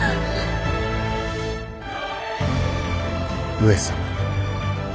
上様